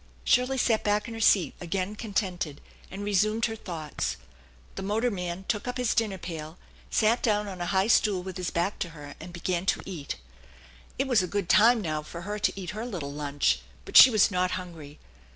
Shirley sat back in her seat again contented, and resumed her thoughts. The motorman took up his dinner pail, sat down on a high stool with his back to her, and began to eat. It was a good time now for her to eat her little lunch, but she was not hungry.